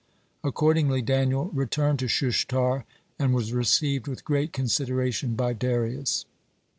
Accordingly Daniel returned to Shushtar, and was received with great consideration by Darius.